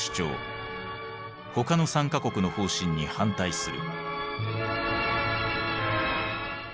他の３か国の方針に反対する。